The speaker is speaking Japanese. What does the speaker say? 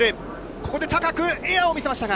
ここで高くエアを見せましたが。